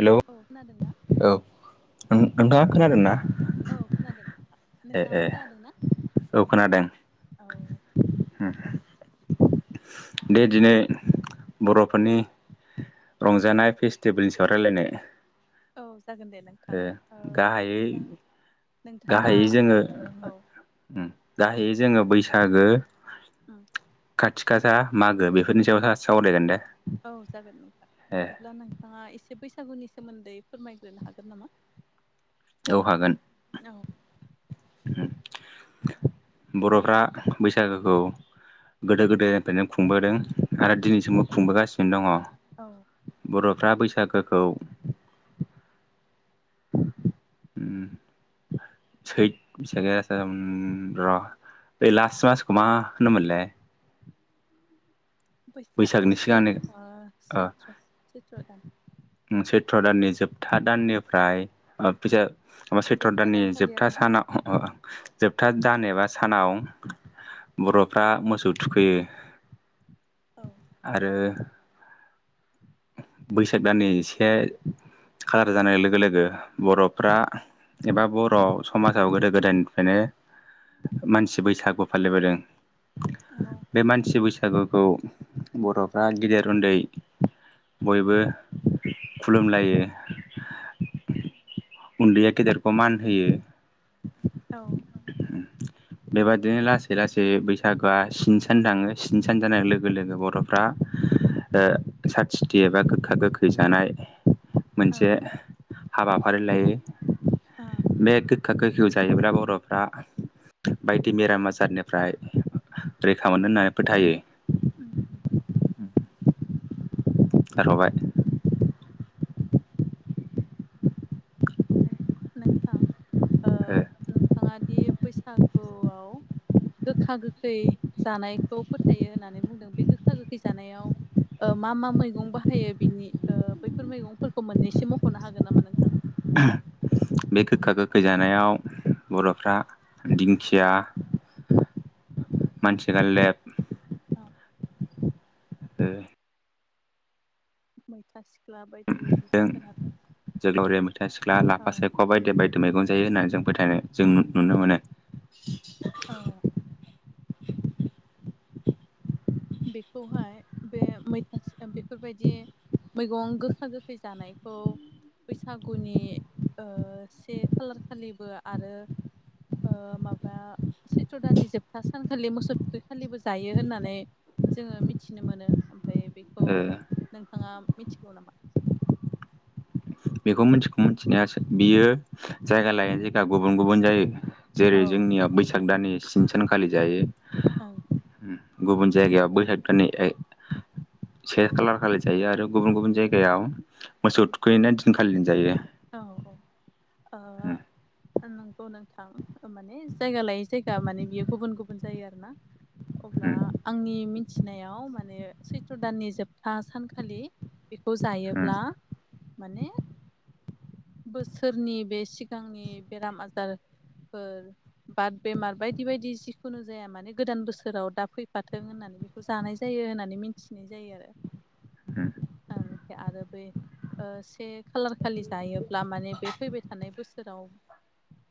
Hello औ खोनादों ना औ [unintelligible] ना औ खोनादों ए ए नोंथाङाबो खोनादोंना औ खोनादों। औ। [unintelligible] दे दिनै बर'फोरनि रंजानाय फेस्टिभेलनि सायाव रायलायनो। औ जागोन दे नोंथां ओ बिदिब्ला नोंथाङा औ। दाहै जोङो बैसागो उम खाथि खासा मागो बेफोरनि सायाव सावरायगोन दे। औ जागोन नोंथां ए बिदिब्ला नोंथाङा एसे बैसागुनि सोमोन्दै फोरमायग्रोनो हागोन नामा औ हागोन। औ बर'फ्रा बैसागोखौ गोदो गोदायनिफ्रायनो खुंबोदों आरो दिनैसिमबो खुंबोगासिनो दङ। औ। बर'फ्रा बैसागोखौ उ सैत [unintelligible] र बे लास्ट मासखौ मा होनोमोनलाय? बैसाग बैसागनि सै सिगांनो सैथ्र' सैथ्र' दान उम सैथ्र' दाननि जोबथा दाननिफ्राय ओ बिजो मा सैत्र जोबथा दाननि दानखालि जोबथा आरो साना अ जोबथा दान एबा सानाव बर'फ्रा मोसौ थुखैयो औ आरो बैसाग दाननि एसे खालार जानाय लोगो लोगो बर'फ्रा एबा बर' समाजाव गोदो गोदायनिफायनो मानसि बैसागु फालिबोदों औ बे मानसि बैसागुखौ बर'फ्रा गेदेर उन्दै बयबो खुलुमलायो उन्दैया गेदेरखौ मान होयो औ बेबादिनो लासै लासै बैसागोआ सिन सान दाङो सिन सान जानाय लोगो लोगो बर'फ्रा ओ सात तिथि एबा गोखा गोखै जानाय औ मोनसे हाबाफारि लायो अ बे गोखा गोखैखौ जायोब्ला बर'फ्रा बायदि बेराम आजारनिफ्राय रैखा मोनो होननानै फोथायो उम [inaudible] आरो हबाय [unintelligible] नोंथां ओ नोंथाङादि बैसागुआव गोखा गोखै जानायखौ फोथायो होननानै बुंदों बे गोखा गोखै जानायाव ओ मा मा मैगं बाहायो बिनि ओ बैफोर मैगंफोरखौ मोननैसो मख'नो हागोन नामा नोंथां? बे गोखा गोखै जानायाव बर'फ्रा दिंखिया मानसि गालदेब औ ओ मैथासि जों जोग्लावरिया मैथा सिख्ला लाफा औ सायख' बायदि बाय दि मैगं जायो होननानै जों फोथायनो जों नुनो मोनो औ बेखौहाय बे मैथासे बेफोरबायदि [unintelligible] मैगं गोखा गोखै जानायखौ बैसागुनि ओ से खालार खालिबो आरो ओ माबा सैथ्र' दाननि जोबथा सानखालि मोसौ थुखैखालिबो जायो होननानै जोङो मिथिनो मोनो ओमफ्राय बे ओ नोंथाङा मिथिगौ नामा? बेखौ मिनथिगौ मिथिनायासो बियो जायगा लायै जायगा गुबुन गुबुन जायो। औ जेरै जोंनिया बैसाग दाननि स्नि सानखालि जायो। ओं गुबुन जायगायाव बै हागनि [unintelligible] से खालार खालि जायो आरो गुबुन गुबुन जायगायाव मोसौ ओं थुखैैनाय दिनखालिनो जायो औ औ ओ नंगौ नोंथां ओ माने जायगा लायै जायगा माने बियो गुबुन गुबुन जायो आरो ना अब्ला आंनि मिनथिनायाव माने सैथ्र' दाननि जोबथा सानखालि बेखौ जायोब्ला माने बोसोरनि बे सिगांनि बेराम आजारफोर बात बेमार बायदि बायदि जिखुनु जाया माने गोदान बोसोराव दा फैफाथों होननानै बेखौ जानाय जायो होननानै मिथिनाय जायो। आरो ओमफ्राय आरो बै से खालार खालि जायो। लामाने बे फैबाय थानाय बोसोराव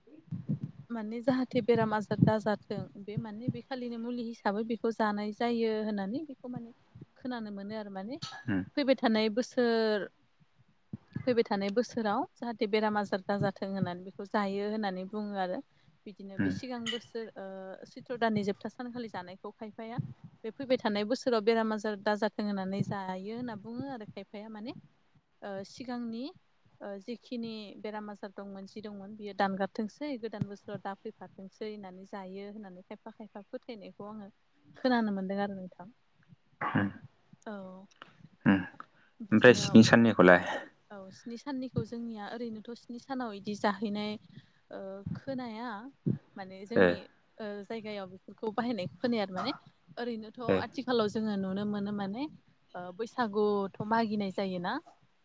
[unintelligible] [inaudible] माने जाहाथे बेराम आजार दाजाथों बे मान बे खालिनि मुलि हिसाबै बे खौ जानाय जायो होननानै बेखौ माने खोनानो मोनो आरो माने फैबाय थानाय बोसोर फैबाय थानाय बोसोराव जाहाथे बेराम आजार दाजाथों होननानै बेखौ जायो होननानै बुङो आरो बिदिनो बे सिगां बोसोर ओ सैथ्र' दाननि जोबथा सानखालि जानायखौ खायफाया बे फैबाय थानाय बोसोराव बेराम आजार दाजाथों होननानै जायो होनना बुङो आरो खायफाया माने ओ सिगांनि ओ जि खिनि बेराम आजार दंमोन जि दंमोन बियो दानगारथोंसै गोदान बोसोराव दा फैफाथों सोंसै होननानै जायो होननानै खायफा खायफा फोथायनायखौ आङो खोनानो मोनदों आरो नोंथां। औ ओमफ्राय बिदिनो स्नि साननिखौलाय औ स्नि साननिखौ जोंनिया ओरैनोथ' स्नि सानाव बिदि जाहैनाय ओ खोनाया। माने ए जोंनि ओ जायगायाव बेफोरखौ बाहायनाय खोनाया आरो माने ओरैनोथ' ए आथिखालाव जोङो नुनो मोनो माने ओ बैसागुथ' मागिनाय जायोना।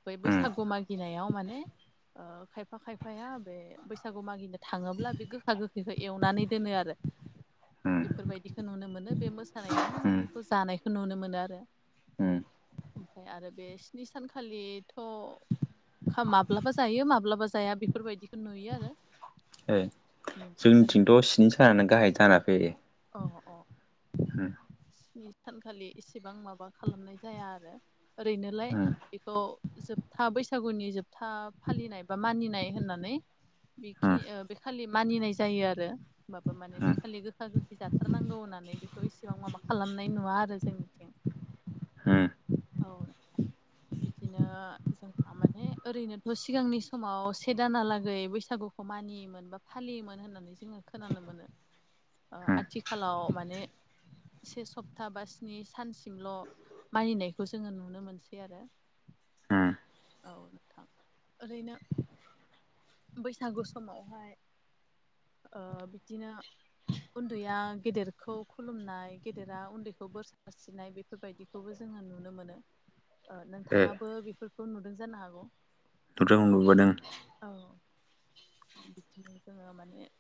बै उम बैसागु मागिनायाव माने ओ खायफा खायफाया बे बैसागु मागिनो थाङोब्ला बे गोखा गोखैखौ एवनानै दोनो आरो उम बेफोरबायदिखौ नुनो मोनो बे मोसानायावनो उम माने बेखौ जानायखौ नुनो मोनो आरो उम ओमफ्राय आरो बे स्नि सानखालि थ' खा माब्लाबा जायो माब्लाबा जाया बेफोरबायदिखौ नुयो आरो ए उम, ओरै जोंनिथिंथ' सिनि सानानो गाहाय जाना फैयो। अ-अ उम स्नि सानखालि इसेबां माबा खालामनाय जाया आरो ओरैनोलाय उम बेखौ जोबथा बैसागुनि जोबथा फालिनाय बा मानिनाय होननानै बेखि उम ओ बे खालि मानिनाय जायो आरो होमबाबो माने बे खालि गो गोखा गोखि जाथारनांगौ होननानै बेखौ इसेबां माबा खालामनाय नुवा आरो जोंनिथिं। उम उम औ बिदिनो जों माने ओरैनोथ' सिगांनि समाव से दानालागै बैसागुखौ मानियोमोन। एबा फालियोमोन होननानै जोङो खोनानो मोनो। ओ आथिखालाव माने से सप्ता बा स्नि सानसिमल'। मानिनायखौ जोङो नुनो मोनसै आरो उम औ नोंथां ओरैनो बैसागु समावहाय ओ बिदिनो उन्दैया गेदेरखौ खुलुमनाय गेदेरा उन्दैखौ बोर सारस्रिनाय बे बेफोरबायदिखौबो जोङो नुनो मोनो। [unintelligible] [inaudible] ओ ए नोंथाङाबो बेफोरखौ नुदों जानो हागौ? नुदों नुबोदों औ बिदिनो जोङो माने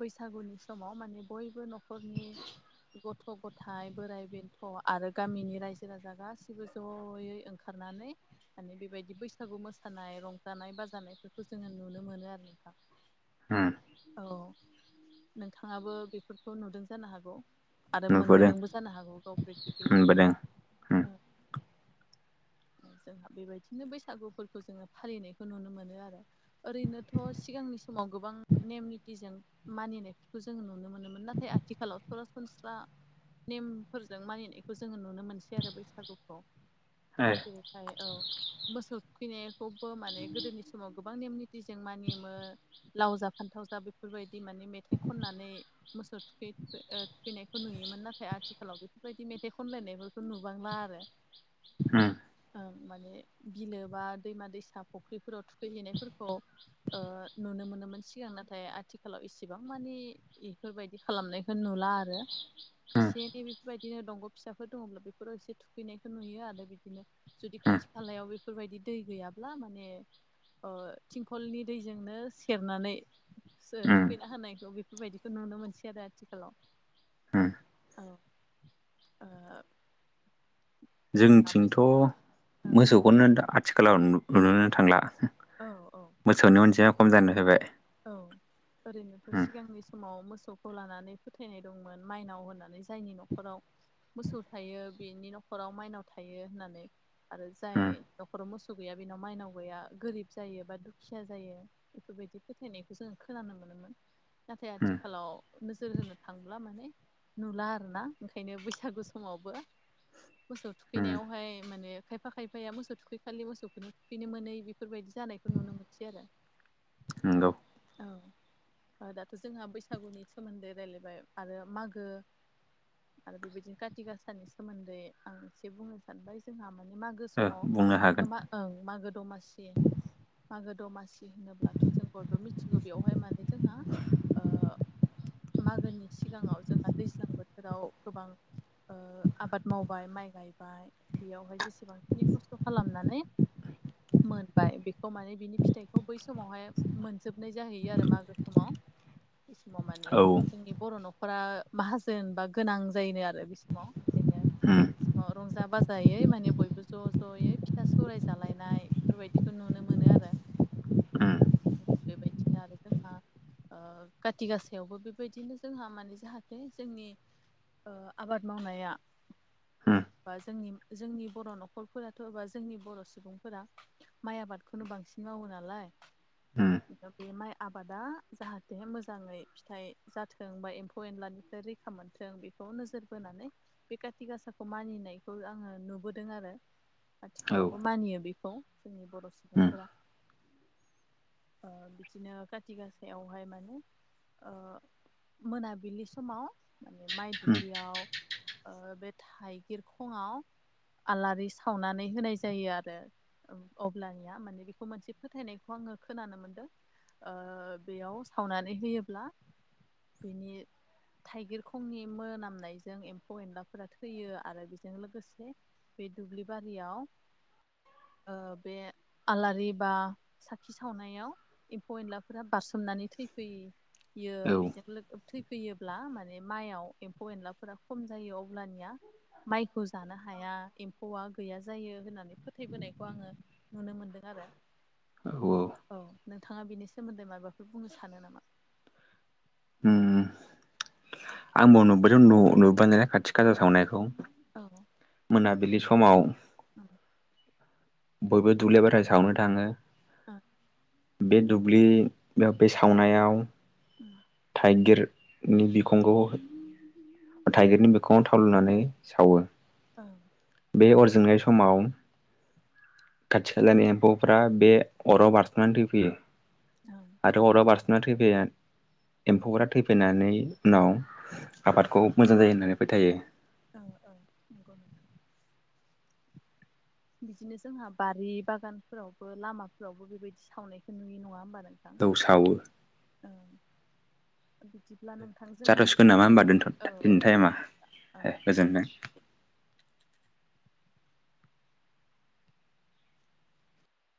बैसागुनि समाव माने बयबो न'खरनि गथ' गथाइ बोराइ बेन्थ' आरो गामिनि रायजो राजा गासिबो। ज'यै ओंखारनानै माने बेबायदि बैसागु मोसानाय रंजानाय बाजानाय। बेखौ जोङो नुनो मोनो आरो नोंथां। उम औ नोंथाङाबो बेफोरखौ नुदों जानो हागौ। आरो नुबोदों मोनबोदोंबो जानो हागौ गाव प्रेक्टिकेलि। मोनबोदों उम ओ जोंहा बेबायदिनो बैसागुफोरखौ जोङो फालिनायखौ नुनो मोनो आरो ओरैनोथ' सिगांनि समाव गोबां नेम निथिजों। मानिनायफोरखौ जोंङो नुनो मोनोमोन नाथाय आथिखालाव सरासनस्रा नेमफोरजों मानिनायखौ जोङो नुनो मोनसै आरो बैसागुखौ। जेरैहाय औ मोसौ थुखैनायखौबो माने गोदोनि समाव गोबां नेम निथिजों मानियोमोन लाव जा फान्थाव जा बेफोरबायदि माने मेथाइ खननानै मोसौ थुखै ओ थैनायखौ नुयोमोन नाथाय आथिखालाव बेफोरबायदि मेथाइ खनलायनायफोरखौ नुबांला आरो [unintelligible] ओं माने बिलो बा दैमा दैसा फुख्रिफोराव थुखैहैनायफोरखौ ओ नुनो मोनोमोन सिगां नाथाय आथिखालाव इसेबां मानि इफोरबायदि खालामनायखौ नुला आरो उम एसे एनै बेफोरबायदिनो दंग' फिसाफोर दङब्ला बेफोराव एसे थुखैनायखौ नुयो आरो बिदिनो। जुदि खाथि खालायाव बेफोरबायदि दै गैयाब्ला माने अ ओ थिंखलनि दैजोंनो सेरनानै सो उम थुखैना होनायखौ बेफोरबायदिखौ नुनो मोनसै आरो आथिखालाव। उम औ ओ जोंहा जोंथिंथ' बैसाग औ मोसौखौनो आथिखालाव नुनोनो थांला। औ औ मोसौनि अनजिमाया खम जानानै फैबाय। औ ओरैनोथ' उम सिगांनिस समाव मोसौखौ लानानै फोथायनाय दंमोन माइनाव होनानै जायनि न'खराव मोसौ थायो बेनि न'खराव माइनाव थायो होननानै आरो जाय उम न'खराव मोसौ गैया बेनाव माइनाव गैया गोरिब जायो बा दुखिया जायो। फोथायनायखौ जोंङो खोनानो मोनोमोन नाथाय उम आथिखालाव नोजोर होनो थांब्ला माने नुला आरोना ओंखायनो बैसागु समावबो। मोसौ उम थुखैनायावहाय माने खायफा खायफाया मोसौ थुखै खालि मोसौखौनो थुखैनो मोनै बेफोरबायदि जानायखौ नुनो मोनसै आरो नंगौ। औ दाथ' जोंहा बैसागुनि सोमोन्दै रायज्लायबाय आरो मागो आरो बेबायदिनो खाथि गाासानि सोमोन्दै आं एसे बुंनो सानबाय जोंहा माने मागो ओ समाव बुंनो हागोन ओं मागो दमासि मागो दमासि होनोब्लाथ' जों बयबो मिथिगौ बेवहाय माने जोंहा ओह मागोनि सिगाङाव जोंहा दैज्लां बोथोराव गोबां ओ आबाद माव बाय माइ गायबाय बेयावहाय जेसेबांखिनि खस्थ' खालामनानै मोनबाय बेखौ माने बिनि फिथाइखौ बै समावहाय मोनजोबनाय जाहैयो आरो मागो समाव बे समाव माने औ उम जोंनि बर' न'खर फ्रा माहाजोनबा गोनां जायोनो आरो बे समाव ओंखायनो रंजा बाजा। जायै माने बयबो ज' ज'यै फिथा सौराय जालायनाय बेफोरबायदिखौ नुनो मोनो आरो उम बेबायदिनो आरो जोंहा ओ काथि गासायावबो बेबायदिनो जोंहा माने जाहाथे जोंनि ओ आबाद मावनाया उम बा जोंनि जोंनि बर' न'खरफोराथ' एबा जोंनि बर' सुबुंफोरा माइ आबादखौनो बांसिन मावो नालाय उम बे माइ आबादा जाहाथे मोजाङै फिथाइ जाथों बा एम्फौ एनलानिफ्राय रै खा मोनथों बेखौ नोजोर बोनानै बे काति गासाखौ मानिनायखौ आङो नुबोदों आरो औ आथिखालावबो उम मानियो बेखौ जोंनि बर' उम सुबुंफोरा बिदिनो खाथि गासायावहाय माने मोनाबिलि समाव माने माइ दुब्लियाव बे थाइगिरखङआव आलारि सावनानै होनाय जायो आरो अब्लानिया माने बेखौ मोनसे फोथायनायखौ आङो खोनानो मोनदों बेयाव सावनानै होयोब्ला बिनि थाइगिर खंनि मोनामनायजों एम्फौ एनलाफोरा थैयो आरो बेजों लोगोसे बे दुब्लि बारियाव बे आलारि बा खि सावनायाव एम्फौ एनलाफोरा बारसोमनानै थैफैयो औ बेजों थैफैयोब्ला माने माइयाव एम्फौ एनलाफोरा खम जायो अब्लानिया माइखौ जानो हाया एम्फौआ गैया जायो होननानै फोथायबोनायखौ आङो नुनो मोनदों आरो औ औ। औ नोंथाङा बेनि सोमोन्दै माबाफोर बुंनो सानो नामा? उम आंबो नुफैदों नु नुबनाय खाथि खाला सावनायखौ औ मोनाबिलि समाव उम बयबो दुब्लिबाथाय सावनो थाङो अ बे दुब्लियाव बे सावनायाव उम थाइगिरनि बिखंखौ थाइगिरनि बिखङाव थाव लनानै सावो। औ बे अरजोंनाय समाव खाथि खालानि एम्फौफ्रा बे अराव बारस'नानै थैफैयो औ आरोाथ अराव बारस'ना थैफै एम्फौफोरा थैफैनानै उनाव आबादखौ मोजां जायो होननानै फोथायो। औ औ नंगौ नंगौ। [inaudible] बिदिनो जोंहा बारि बागानफोरावबो लामाफोरावबो बेबायदि सावनायखौ नुयो नङा होनोमबा नोंथां। सावो औ बिदिब्ला नोंथांजोंहा जाथ'सिगोन दिनैनि औ औ दे ओं हे गोजोनथों